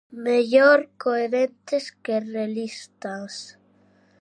Mellor coherentes que realistas.